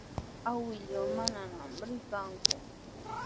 Awkilluu manami rikanku.